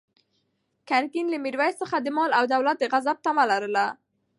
ګرګین له میرویس څخه د مال او دولت د غصب طمع لرله.